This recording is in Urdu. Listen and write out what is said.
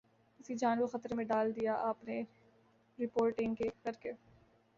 اسکی جان کو خطرے میں ڈال دیا آپ نے رپورٹنگ کر کے